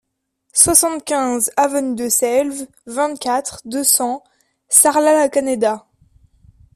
soixante-quinze avenue de Selves, vingt-quatre, deux cents, Sarlat-la-Canéda